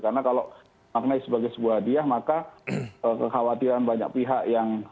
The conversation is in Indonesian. karena kalau maknai sebagai sebuah hadiah maka kekhawatiran banyak pihak yang